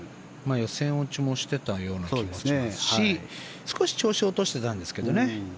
予選落ちもしていた気もしますし少し調子を落としてたんですけどね。